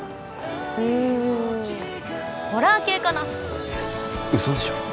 うんホラー系かなウソでしょ！？